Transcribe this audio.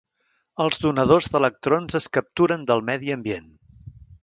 Els donadors d'electrons es capturen del medi ambient.